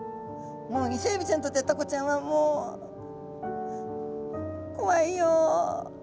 もうイセエビちゃんにとってはタコちゃんはもう「こわいよ」。